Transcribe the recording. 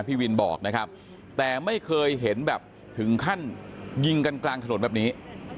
พี่วินบอกนะครับแต่ไม่เคยเห็นแบบถึงขั้นยิงกันกลางถนนแบบนี้